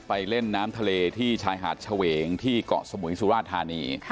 ไปเล่นน้ำทะเลที่ชายหาดเฉวงที่เกาะสมุยสุราธานี